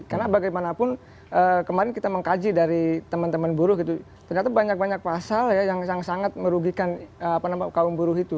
karena bagaimanapun kemarin kita mengkaji dari teman teman buruh gitu ternyata banyak banyak pasal ya yang sangat sangat merugikan apa namanya kaum buruh itu